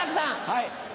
はい。